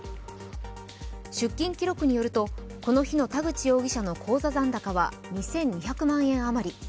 出金記録によるとこの日の田口容疑者の口座残高は２２００万円余り。